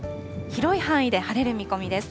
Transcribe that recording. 広い範囲で晴れる見込みです。